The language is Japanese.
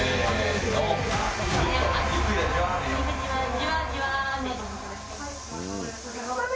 じわ、じわで。